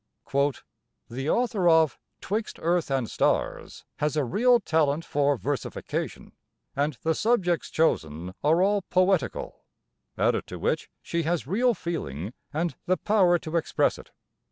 "The author of ''Twixt Earth and Stars' has a real talent for versification, and the subjects chosen are all poetical, added to which she has real feeling and the power to express it.